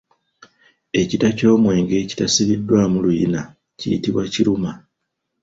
Ekita ky’omwenge ekitasibiddwamu luyina kiyitibwa Kiruma.